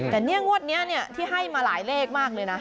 แต่เนี่ยงวดนี้ที่ให้มาหลายเลขมากเลยนะ